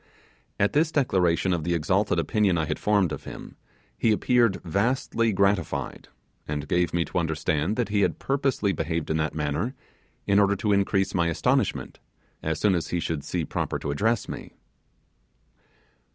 At this declaration of the exalted opinion I had formed of him, he appeared vastly gratified, and gave me to understand that he had purposely behaved in that manner, in order to increase my astonishment, as soon as he should see proper to address me.